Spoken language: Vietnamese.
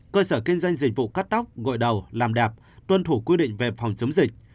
cơ sở kinh doanh dịch vụ cắt tóc gội đầu làm đẹp tuân thủ quy định về phòng chống dịch